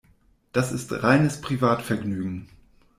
Das ist reines Privatvergnügen.